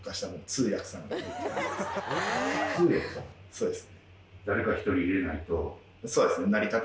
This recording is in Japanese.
そうです。